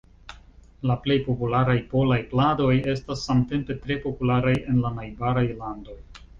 La plej popularaj polaj pladoj estas samtempe tre popularaj en la najbaraj landoj.